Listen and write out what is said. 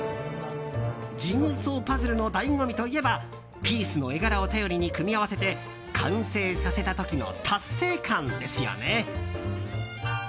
ジグソーパズルの醍醐味といえばピースの絵柄を頼りに組み合わせて完成させた時の達成感ですよね。